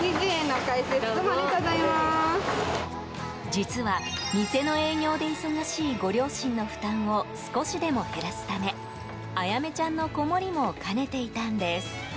実は、店の営業で忙しいご両親の負担を少しでも減らすためあやめちゃんの子守も兼ねていたんです。